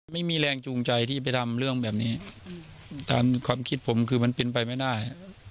ไม่มีแรงจูงใจที่ไปทำเรื่องแบบนี้ตามความคิดผมคือมันเป็นไปไม่ได้